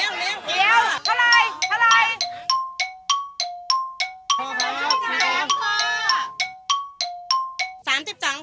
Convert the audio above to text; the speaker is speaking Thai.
รีบรีบเดี๋ยวเท่าไรเท่าไร